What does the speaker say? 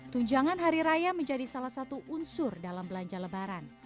tunjangan hari raya menjadi salah satu unsur dalam belanja lebaran